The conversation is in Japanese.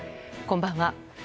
こんばんは。